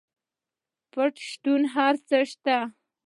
پټی شته هر څه شته.